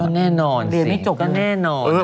เรียนไม่จบก็แน่นอน